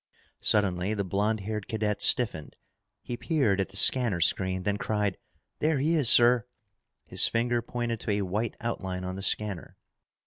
Suddenly the blond haired cadet stiffened. He peered at the scanner screen, then cried, "There he is, sir!" His finger pointed to a white outline on the scanner.